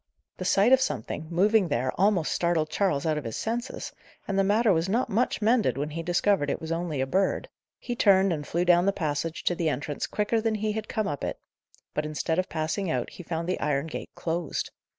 The sight of something, moving there, almost startled Charles out of his senses, and the matter was not much mended when he discovered it was only a bird. He turned, and flew down the passage to the entrance quicker than he had come up it; but, instead of passing out, he found the iron gate closed.